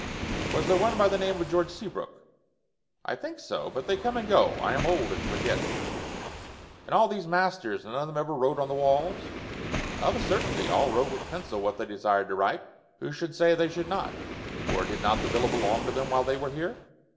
"Was there one by the name of George Seabrook?" "I think so. But they come and go. I am old and forget." "And all these masters, none of them ever wrote on the walls?" "Of a certainty. All wrote with pencil what they desired to write. Who should say they should not? For did not the villa belong to them while they were here?